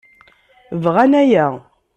Bɣan aya.